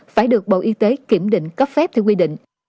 phải được bộ y tế kiểm định cấp phép theo quy định